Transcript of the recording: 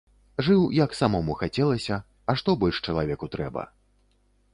Жыў, як самому хацелася, а што больш чалавеку трэба?